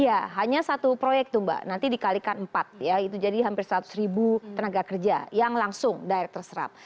iya hanya satu proyek tuh mbak nanti dikalikan empat ya itu jadi hampir seratus ribu tenaga kerja yang langsung direct terserap